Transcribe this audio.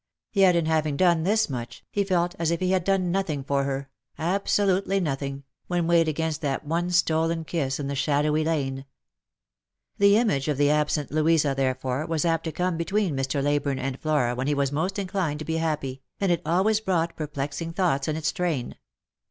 Yet, in having done this much, he felt as if he had done nothing for her — absolutely nothing — when weighed against that one stolen kiss in the shadowy lane. The image of the absent Louisa, therefore, was apt to come between Mr. Leyburne and Flora when he was most inclined to be happy, and it always brought perplexing thoughts in its train.